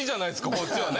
こっちはね。